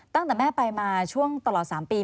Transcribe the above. ตั้งแต่แม่ไปมาช่วงตลอด๓ปี